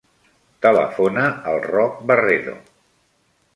Telefona al Roc Barredo.